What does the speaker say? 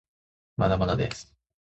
まだまだです